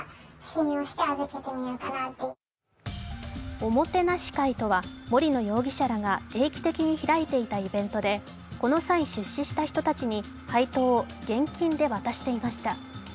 おもてなし会とは、森野容疑者らが定期的に開いていたイベントでこの際、出資した人たちに配当を現金で渡していました。